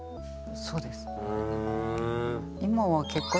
そうです。